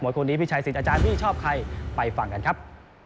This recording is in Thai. คนนี้พี่ชัยสิทธิอาจารย์พี่ชอบใครไปฟังกันครับ